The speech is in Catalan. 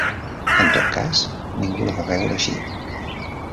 En tot cas, ningú la va veure així.